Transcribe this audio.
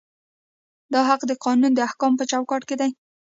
دا حق د قانون د احکامو په چوکاټ کې دی.